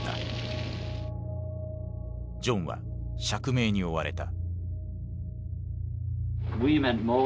ジョンは釈明に追われた。